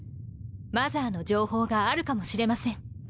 マザーの情報があるかもしれません。